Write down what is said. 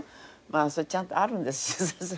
まあそれちゃんとあるんですよ。